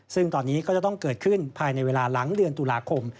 ซึ่งตอนนี้ก็จะต้องเกิดขึ้นภายในเวลาหลังเดือนตุลาคม